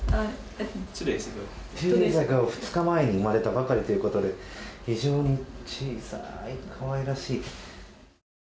２日前に生まれたばかりということで非常に小さな可愛らしい。